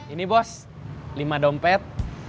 ini bos lima dompet